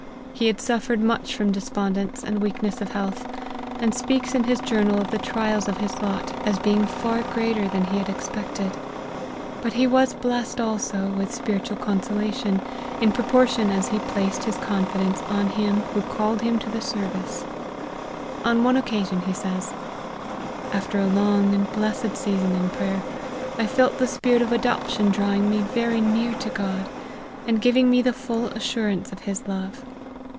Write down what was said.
He had suffered much from despondence and weakness of health, and speaks in his Journal of the trials of his lot as being far greater than he had expected. But he was blessed also with spiritual consolation, in proportion as he plac ed his confidence on Him who called him to the service. On one occasion he says, " After a long and blessed season in prayer, I felt the spirit of adoption drawing me very near to God, and giving me the full assurance of his love.